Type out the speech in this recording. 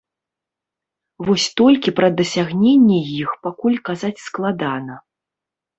Вось толькі пра дасягненні іх пакуль казаць складана.